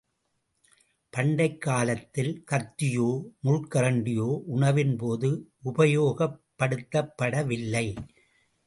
பண்டைக் காலத்தில் கத்தியோ முள் கரண்டியோ உணவின்போது உபயோகப்படுத்தப்பட வில்லை.